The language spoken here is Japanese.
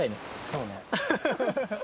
そうね。